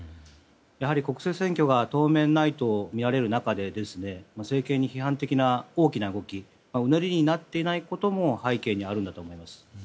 やはり国政選挙が当面ないとみられる中で政権に批判的な大きな動きうねりになっていないことも背景にあるんだと思います。